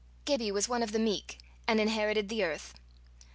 Gibbie was one of the meek, and inherited the earth.